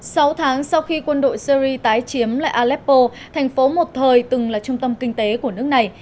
sáu tháng sau khi quân đội syri tái chiếm lại aleppo thành phố một thời từng là trung tâm kinh tế của nước này